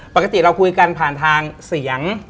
ปกติเราคุยกันผ่านทางเสียง